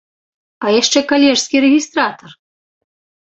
А яшчэ калежскі рэгістратар!